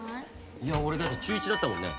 いや俺だって中１だったもんね。